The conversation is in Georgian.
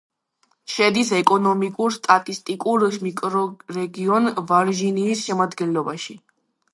შედის ეკონომიკურ-სტატისტიკურ მიკრორეგიონ ვარჟინიის შემადგენლობაში.